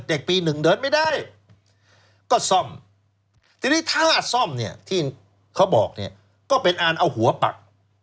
เด็กปีหนึ่งเดินไม่ได้ก็ซ่อมทีนี้ท่าซ่อมที่เขาบอกก็เป็นอาร์ดเอาหัวปัก